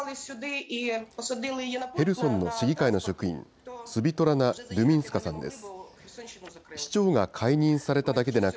ヘルソンの市議会の職員、スビトラナ・ドゥミンスカさんです。